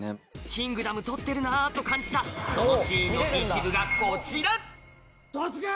『キングダム』撮ってるなと感じたそのシーンの一部がこちら突撃！